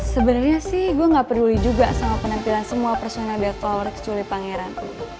sebenernya sih gue gak peduli juga sama penampilan semua personal dead flowers kecuali pangeran